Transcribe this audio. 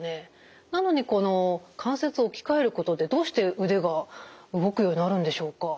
なのにこの関節置き換えることでどうして腕が動くようになるんでしょうか？